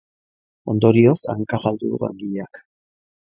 Ondorioz, hanka galdu du langileak.